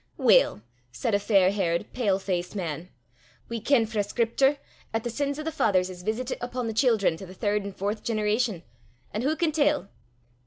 "Weel," said a fair haired, pale faced man, "we ken frae scriptur 'at the sins o' the fathers is veesitit upo' the children to the third an' fourth generation an' wha can tell?"